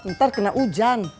ntar kena hujan